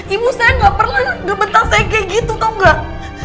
ibu saya nggak pernah gemetar saya kayak gitu tau gak